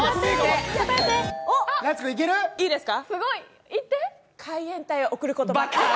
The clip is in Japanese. いいですか？